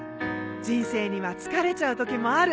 人生には疲れちゃうときもある。